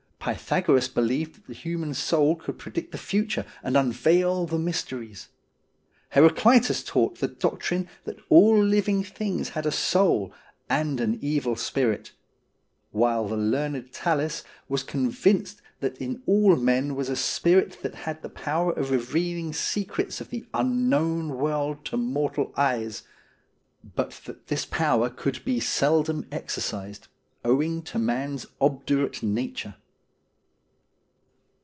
Pythagoras believed that the human soul could predict the future and unveil the mysteries. Heraclitus taught the doc trine that all living things had a soul and an evil spirit ; while the learned Thales was convinced that in all men was a spirit that had the power of revealing secrets of the unknown world to mortal eyes, but that this power could be seldom exercised, owing to mans obdurate nature.